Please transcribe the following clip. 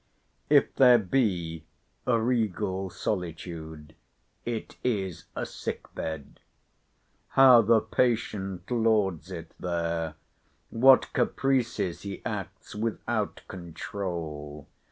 If there be a regal solitude, it is a sick bed. How the patient lords it there! what caprices he acts without controul!